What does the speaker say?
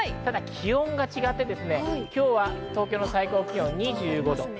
気温が違って今日は東京の最高気温２５度。